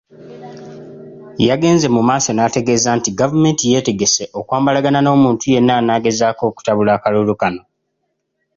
Yagenze mu maaso n'ategeeza nti gavumenti yeetegese okwambalagana n'omuntu yenna anaagezaako okutabula akalulu kano.